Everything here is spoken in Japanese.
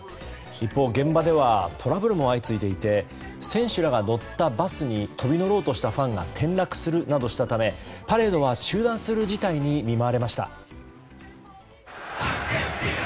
一方、現場ではトラブルも相次いでいて選手らが乗ったバスに飛び乗ろうとしたファンが転落するなどしたためパレードが中断する事態に見舞われました。